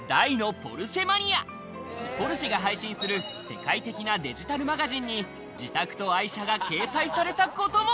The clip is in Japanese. ポルシェが配信する世界的なデジタルマガジンに自宅と愛車が掲載されたことも。